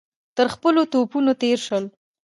تر خپلو توپونو تېر شول.